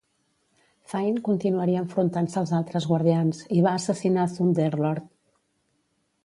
Fain continuaria enfrontant-se als altres guardians, i va assassinar Thunderlord.